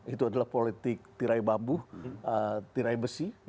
itu adalah politik tirai bambu tirai besi